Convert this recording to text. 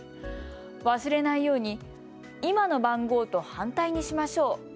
忘れないように今の番号と反対にしましょう。